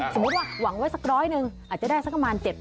สมมุติว่าหวังไว้สักร้อยหนึ่งอาจจะได้สักประมาณ๗๐๐